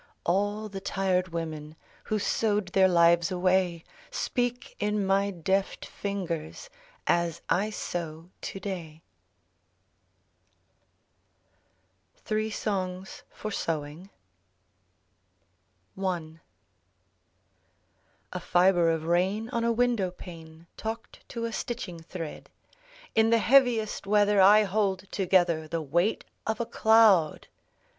All the tired women, Who sewed their lives away, Speak in my deft fingers As I sew today. POETRY: A Magazine of Verse THREE SONGS FOR SEWING A fibre of rain on a window pane Talked to a stitching thread: In the heaviest weather I hold together The weight of a cloud!